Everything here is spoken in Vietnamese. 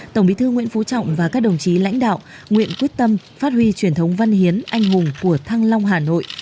tổng bí thư nguyễn phú trọng và các đồng chí lãnh đạo nguyện quyết tâm phát huy truyền thống văn hiến anh hùng của thăng long hà nội